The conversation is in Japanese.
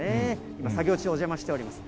今、作業中お邪魔しております。